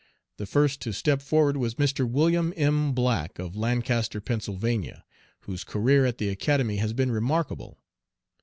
The first to step forward was Mr. William M. Black, of Lancaster, Penn., whose career at the Academy has been remarkable.